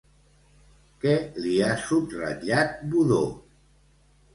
Què li ha subratllat Budó?